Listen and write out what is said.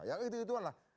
ya gitu gitu lah